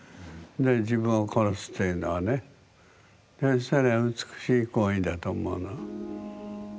自分を殺すっていうのはねそれは美しい行為だと思うの。